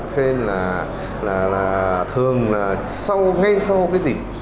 thế nên là thường là ngay sau cái dịp